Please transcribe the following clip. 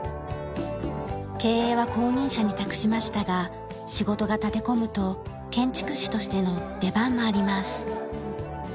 経営は後任者に託しましたが仕事が立て込むと建築士としての出番もあります。